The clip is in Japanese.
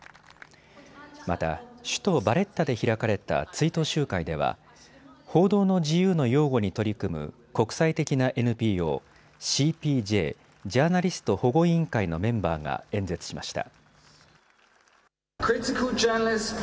また首都バレッタで開かれた追悼集会では報道の自由の擁護に取り組む国際的なＮＰＯ、ＣＰＪ・ジャーナリスト保護委員会のメンバーが演説しました。